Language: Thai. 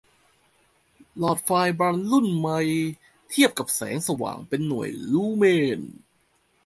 หลอดไฟล์บัลบ์รุ่นใหม่ เทียบค่าแสงสว่าง เป็นหน่วย ลูเมน